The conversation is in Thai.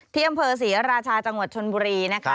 ที่อำเภอศรีราชาจังหวัดชนบุรีนะคะ